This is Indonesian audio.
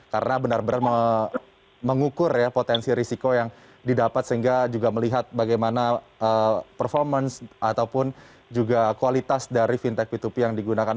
karena benar benar mengukur ya potensi risiko yang didapat sehingga juga melihat bagaimana performance ataupun juga kualitas dari fintech p dua p yang digunakan